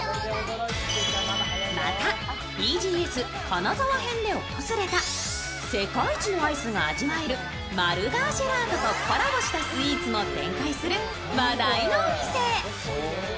またＢＧＳ金沢編で訪れた世界一のアイスが味わえるマルガージェラートとコラボしたスイーツも展開する話題のお店。